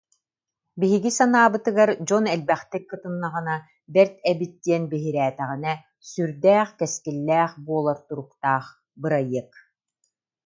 Биһиги санаабытыгар дьон элбэхтик кытыннаҕына, бэрт эбит диэн биһирээтэҕинэ, сүрдээх, кэскиллээх буолар туруктаах бырайыак